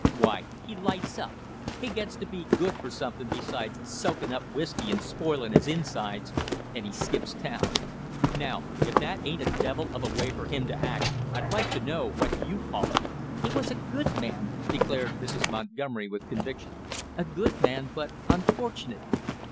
Why, he lights out; he gets to be good for something beside soaking up whisky and spoiling his insides, and he skips the town; now if that ain't a devil of a way for him to act, I'd like to know what you call it!" "He was a good man " declared Mrs. Montgomery with conviction. "A good man, but unfortunate!"